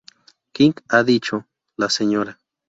King ha dicho, "la Sra.